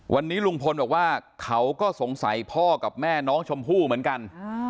วันนี้ลุงพลบอกว่าเขาก็สงสัยพ่อกับแม่น้องชมพู่เหมือนกัน